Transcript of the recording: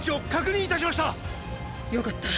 よかった。